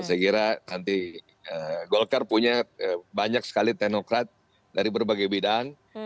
saya kira nanti golkar punya banyak sekali teknokrat dari berbagai bidang